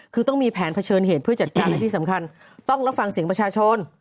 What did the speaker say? คือต้องมีแผนเผชิญเหตุเพื่อจัดการและที่สำคัญต้องรับฟังเสียงประชาชน